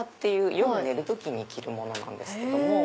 夜寝る時に着るものなんですけども。